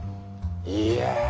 いや。